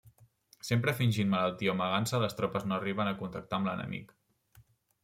Sempre fingint malaltia o amagant-se, les tropes no arriben a contactar amb l'enemic.